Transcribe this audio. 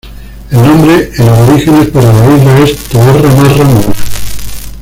El nombre en aborígenes para la isla es "Toarra-Marra-Monah".